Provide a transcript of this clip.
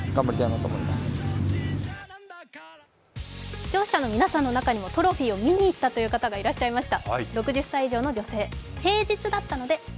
視聴者の皆さんの中にもトロフィーを見に行ったという方がいました。